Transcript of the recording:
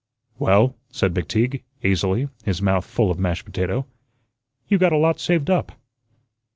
"Well," said McTeague, easily, his mouth full of mashed potato, "you got a lot saved up."